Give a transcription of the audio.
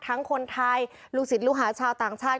คนไทยลูกศิษย์ลูกหาชาวต่างชาติ